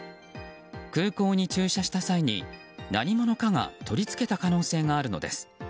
空港に駐車した際に何者かが取り付けた可能性があるのです。